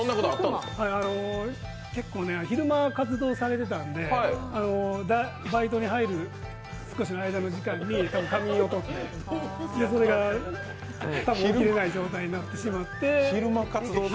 結構、昼間活動されてたんでバイトに入る少しの間の時間に仮眠をとって、それが多分起きれない状態になってしまって。